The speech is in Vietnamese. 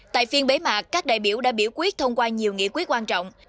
tại phiên bế mạc các đại biểu đã biểu quyết thông qua nhiều nghị quyết quan trọng